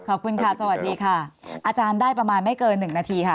ขอบคุณค่ะสวัสดีค่ะอาจารย์ได้ประมาณไม่เกิน๑นาทีค่ะ